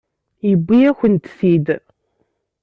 Yewwi-yakent-t-id.